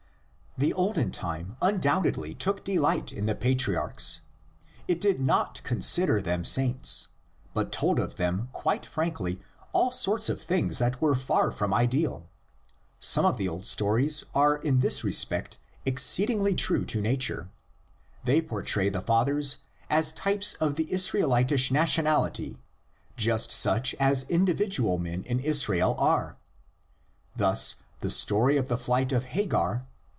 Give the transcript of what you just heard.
The olden time undoubtedly took delight in the patriarchs; it did not consider them saints, but told of them quite frankly all sorts of things that were far from ideal. Some of the old stories are in this respect exceedingly true to nature: they portray the fathers as types of the Israelitish nationality 114 THE LEGENDS OF GENESIS. just such as individual men in Israel are. Thus the story of the flight of Hagar (xvi.)